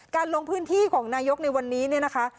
ลงพื้นที่ของนายกในวันนี้เนี่ยนะคะ